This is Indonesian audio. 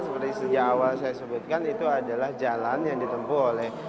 seperti sejak awal saya sebutkan itu adalah jalan yang ditempuh oleh